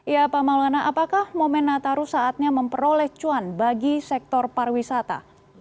ya pak maulana apakah momen nataru saatnya memperoleh cuan bagi sektor pariwisata